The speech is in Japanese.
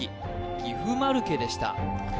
岐阜マルケでした